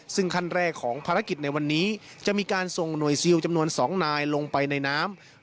ซึ่งขั้นแรกของภารกิจในวันนี้จะมีการส่งหน่วยซิลจำนวน๒นายลงไปในน้ำ